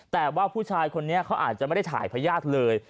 แต่ว่าผู้ชายคนนี้เขาอาจจะไม่ได้ถ่ายพญาติเลย